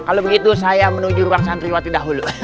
kalau begitu saya menuju ruang santriwati dahulu